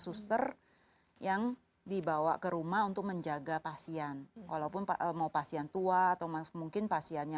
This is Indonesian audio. suster yang dibawa ke rumah untuk menjaga pasien walaupun mau pasien tua atau mungkin pasiennya